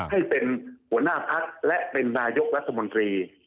ให้เป็นหัวหน้าพักและเป็นนายกรัฐมนตรี